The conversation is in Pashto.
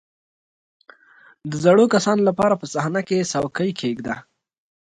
• د زړو کسانو لپاره په صحنه کې څوکۍ کښېږده.